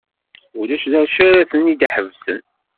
Ulac d acu ara ten-id-iḥebsen.